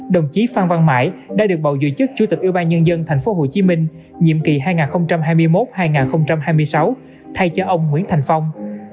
đồng chí phan văn mãi đã được bầu dự chức chủ tịch ủy ban nhân dân tp hcm nhiệm kỳ hai nghìn hai mươi một hai nghìn hai mươi sáu thay cho ông nguyễn thành phong